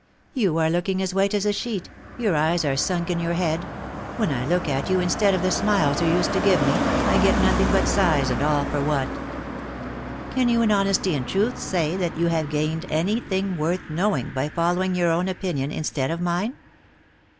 You are looking as white as a sheet — your eyes are sunk in your head — when I look at you, instead of the smiles you used to give me, I get nothing but sighs, and all for what '{ Can you in honesty and truth say that you have gained any thing worth knowing by following your own opinion instead of mine